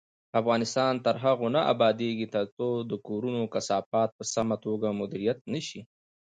افغانستان تر هغو نه ابادیږي، ترڅو د کورونو کثافات په سمه توګه مدیریت نشي.